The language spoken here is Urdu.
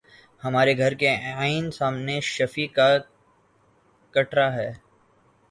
ہمارے گھر کے عین سامنے شفیع کا کٹڑہ ہے۔